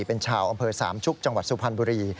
เป็นชาวอำเภอสามชุกจังหวัดสุพรรณบุรี